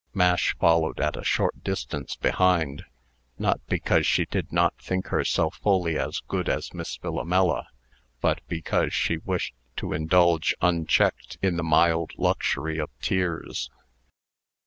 Mash followed at a short distance behind, not because she did not think herself fully as good as Miss Philomela, but because she wished to indulge unchecked in the mild luxury of tears.